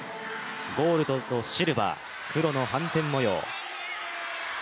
ゴールドとシルバー、黒の斑点模様。